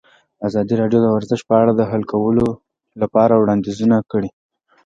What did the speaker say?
ازادي راډیو د ورزش په اړه د حل کولو لپاره وړاندیزونه کړي.